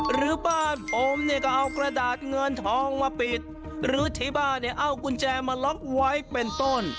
หรือบ้านผมเนี่ยก็เอากระดาษเงินทองมาปิดหรือที่บ้านเนี่ยเอากุญแจมาล็อกไว้เป็นต้น